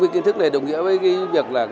khiến thức này đồng nghĩa với việc là